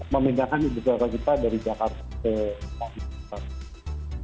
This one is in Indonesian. memindahkan ibu negara kita dari jakarta ke jakarta